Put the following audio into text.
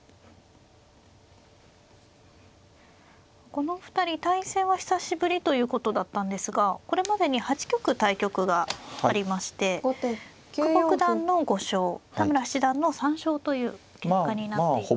この２人対戦は久しぶりということだったんですがこれまでに８局対局がありまして久保九段の５勝田村七段の３勝という結果になっていますね。